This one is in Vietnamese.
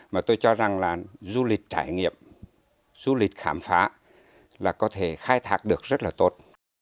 mà tôi cho rằng là du lịch trải nghiệm du lịch khám phá là có thể khai thác được rất là tốt